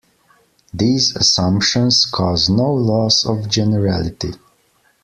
These assumptions cause no loss of generality.